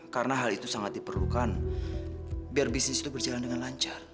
karena hal itu sangat diperlukan biar bisnis itu berjalan dengan lancar